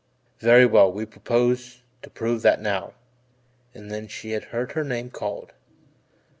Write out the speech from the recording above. Very well, we propose to prove that now," and then she had heard her name called.